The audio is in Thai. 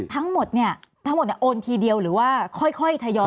ทั้งหมดเนี่ยทั้งหมดโอนทีเดียวหรือว่าค่อยทยอย